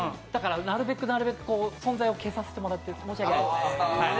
なるべく、なるべく、存在を消させてもらってる申し訳ない。